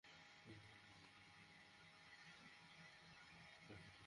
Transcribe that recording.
বন্য প্রাণী অপরাধ নিয়ন্ত্রণে গতকাল সোমবার সকালে দিনাজপুরের হাকিমপুরে গণসচেতনতামূলক কর্মশালা হয়েছে।